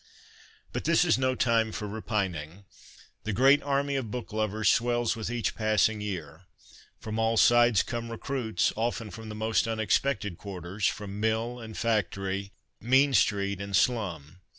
But this is no time for repining. The great army of book lovers swells with each passing year. From all sides come recruits, often from the most unexpected quarters, from mill and factory, mean street and slum.